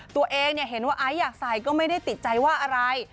ตัวเองเห็นว่าไอซ์อยากใส่ก็ไม่ได้ติดใจว่าอะไร